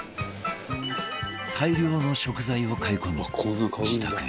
大量の食材を買い込み自宅へ